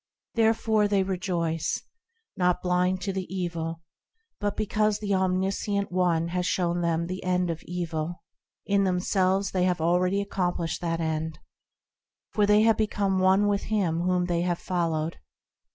Therefore, they rejoice; Not blind to the evil, But because the Omniscient One has shown them the end of evil; Yea, in themselves they have already accomplished that end, For they have become One with Him whom they have followed.